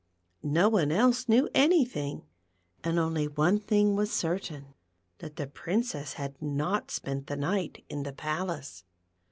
No one else knew anything, and only one thing was certain, that the Princess had not spent the night in the palace.